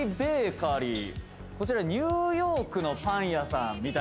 こちらニューヨークのパン屋さんみたいですね。